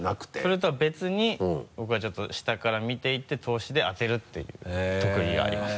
それとは別に僕はちょっと下から見ていって透視で当てるっていう特技があります。